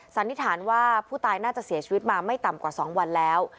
สันนิษฐานว่าผู้ตายน่าจะเสียชีวิตมาไม่ต่ำกว่า๒วันแล้ว